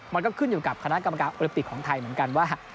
มันก็ขึ้นอยู่กับคณะกรรมการโอลิปิกของไทยเหมือนกันว่า